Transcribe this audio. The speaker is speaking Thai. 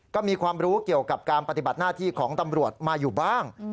ก็มีความรู้เกี่ยวกับการปฏิบัติหน้าที่ของตำรวจมาอยู่บ้าง